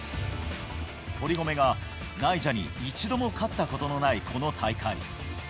堀米がナイジャに一度も勝ったことのないこの大会。